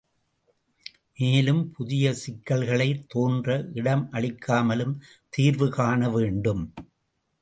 மேலும் புதிய சிக்கல்கள் தோன்ற இடமளிக்காமலும் தீர்வு காண வேண்டும்.